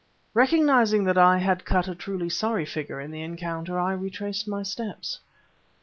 Recognizing that I had cut a truly sorry figure in the encounter, I retraced my steps.